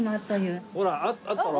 ほらあったろ？